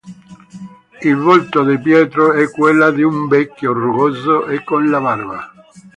Il volto di Pietro è quella di un vecchio, rugoso e con la barba.